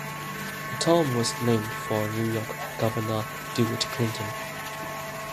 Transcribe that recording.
The town was named for New York Governor DeWitt Clinton.